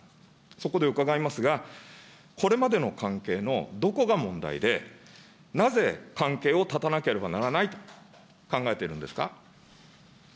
そこで伺いますが、これまでの関係のどこが問題で、なぜ関係を断たなければならないと考えているんですか。